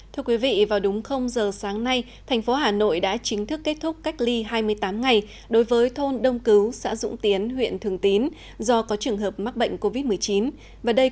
thưa quý vị vào đúng không giờ sáng nay thành phố hà nội đã chính thức kết thúc cách ly hai mươi tám ngày đối với thôn đông cứu xã dũng tiến huyện thường tín do có trường hợp mắc bệnh covid một mươi chín và đây cũng là ổ dịch covid một mươi chín cuối cùng tại thủ đô hà nội